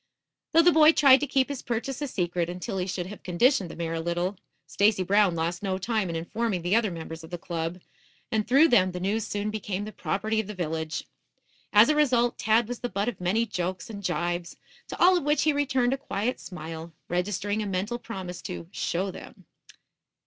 Though the boy tried to keep his purchase a secret until he should have conditioned the mare a little, Stacy Brown lost no time in informing the other members of the club, and through them the news soon became the property of the village. As a result, Tad was the butt of many jokes and jibes, to all of which he returned a quiet smile, registering a mental promise to "show them."